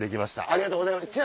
ありがとうございます。